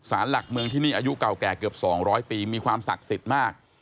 สารหลักเมืองที่นี่อายุเก่าแก่เกือบ๒๐๐ปีมีความศักดิ์สิทธิ์มาก